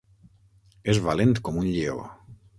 És valent com un lleó.